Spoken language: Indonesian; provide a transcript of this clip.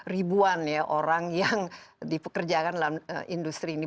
empat ratus ribuan ya orang yang di pekerjakan dalam industri ini